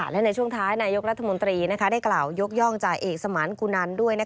และในช่วงท้ายนายกรัฐมนตรีได้กล่าวยกย่องจ่าเอกสมานกุนันด้วย